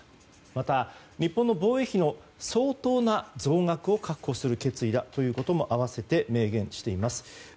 また、日本の防衛費の相当な増額を確保する決意だということも併せて明言しています。